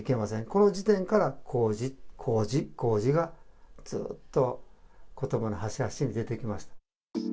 この時点から、工事、工事、工事が、ずーっとことばの端々に出てきました。